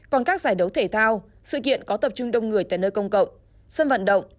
còn các giải đấu thể thao sự kiện có tập trung đông người tại nơi công cộng sân vận động